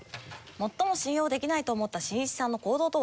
最も信用できないと思ったしんいちさんの行動とは？